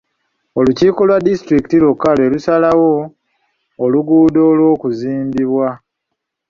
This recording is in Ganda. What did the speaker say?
Olukiiko lwa disitulikiti lwokka lwe lusalawo oluguudo olw'okuzimbibwa